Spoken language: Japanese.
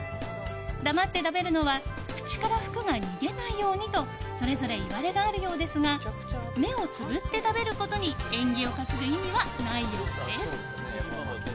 黙って食べるのは口から福が逃げないようにとそれぞれいわれがあるようですが目をつぶって食べることに縁起を担ぐ意味はないようです。